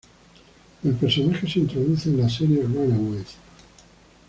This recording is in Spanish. El personaje se introduce en la serie "Runaways".